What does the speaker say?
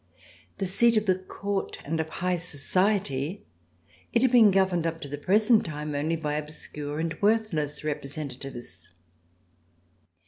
The seat of the Court and of high society, it had been governed up to the present time only by obscure and worthless representatives.